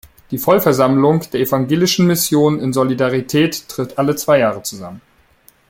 Die Vollversammlung der Evangelischen Mission in Solidarität tritt alle zwei Jahre zusammen.